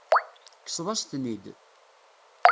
Tekkseḍ-as-ten-id.